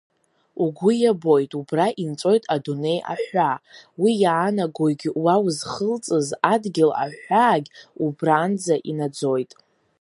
Угәы иабоит убра инҵәоит адунеи аҳәаа, уи иаанагогь уа узхылҵыз адгьыл аҳәаагь убранӡа инаӡоит!